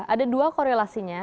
ada dua korelasinya